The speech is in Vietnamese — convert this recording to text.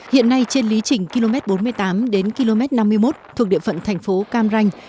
hiện nay trên lý trình km bốn mươi tám đến km năm mươi một thuộc địa phận thành phố cam ranh